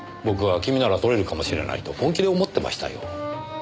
僕は君なら獲れるかもしれないと本気で思ってましたよ。